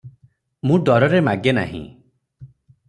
ମୁଁ ଡରରେ ମାଗେ ନାହିଁ ।